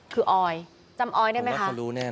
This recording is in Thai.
คือออยจำออยได้ไหมคะ